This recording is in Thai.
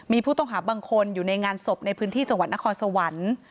มีผู้ต้องหาบางคนอยู่ในงานศพในพื้นที่จังหวัดนครสวรรค์